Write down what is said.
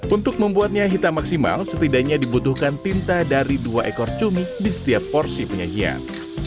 untuk membuatnya hitam maksimal setidaknya dibutuhkan tinta dari dua ekor cumi di setiap porsi penyajian